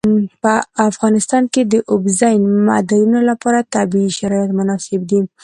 په افغانستان کې د اوبزین معدنونه لپاره طبیعي شرایط مناسب دي.